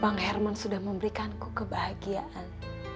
bang herman sudah memberikanku kebahagiaan